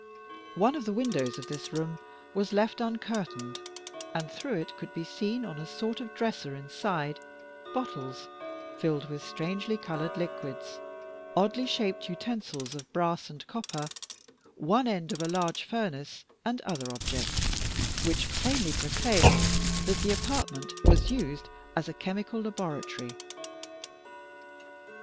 One of the windows of this room was left uncurtained and through it could be seen, on a sort of dresser inside, bottles filled with strangely colored liquids oddly shaped utensils of brass and copper, one end of a large furnace, and other objects, which plainly proclaimed that the apartment was used as a chemical laboratory.